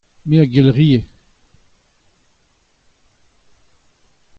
me a gelc'hie.